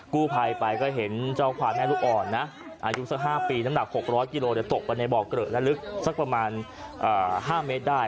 กู้ภัยไปก็เห็นเจ้าควายแม่ลูกอ่อนนะอายุสัก๕ปีน้ำหนัก๖๐๐กิโลตกไปในบ่อเกลอะและลึกสักประมาณ๕เมตรได้